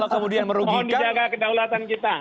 mohon dijaga kedaulatan kita